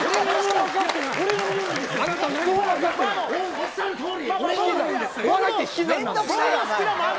おっしゃるとおり。